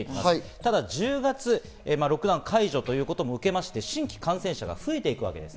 ただ１０月、ロックダウン解除も受けまして、新規感染者が増えていくわけです。